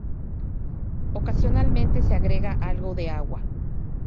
Ocasionalmente se agrega algo de agua.